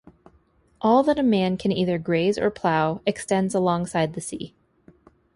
All that a man can either graze or plough extends alongside the sea.